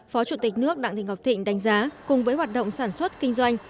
phó chủ tịch nước đặng thị ngọc thịnh đánh giá cùng với hoạt động sản xuất kinh doanh